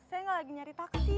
saya nggak lagi nyari taksi